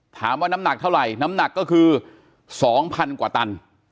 ถามว่าน้ำหนักเท่าไหร่น้ำหนักก็คือสองพันกว่าตัน